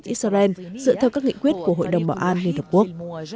israel dựa theo các nghị quyết của hội đồng bảo an liên hợp quốc